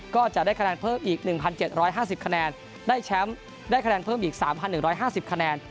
ก็จะได้คะแนนเพิ่มอีกหนึ่งพันเจ็ดร้อยห้าสิบคะแนนได้แชมป์ได้คะแนนเพิ่มอีกสามพันหนึ่งร้อยห้าสิบคะแนน